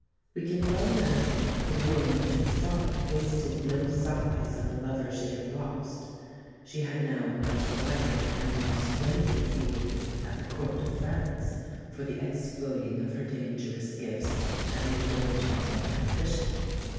We can well imagine that the wool merchant's daughter wasted no sighs on the lover she had lost. She had now a much wider and more splendid field at the Court of France, for the exploiting of her dangerous gifts and the indulgence of her ambition.